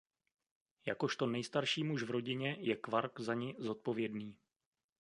Jakožto nejstarší muž v rodině je Quark za ni zodpovědný.